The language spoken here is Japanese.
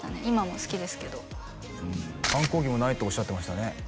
今も好きですけど反抗期もないっておっしゃってましたね